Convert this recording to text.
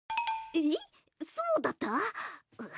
えっそうだった？